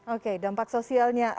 oke dampak sosialnya